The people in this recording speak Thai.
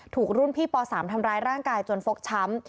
ถูกรุ่นพี่ป๓ทำร้ายร่างกายจนฟกช้ำ